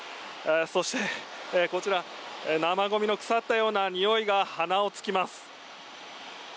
そして、こちら生ゴミの腐ったようなにおいが鼻を突きます。